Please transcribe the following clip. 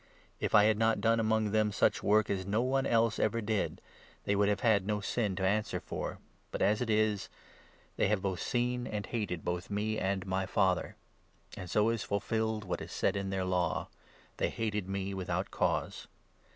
If I had not done 23, among them such work as no one else ever did, they would have had no sin to answer for ; but, as it is, they have both seen and hated both me and my Father. And so is fulfilled 25 what is said in their Law —' They hated me without cause.'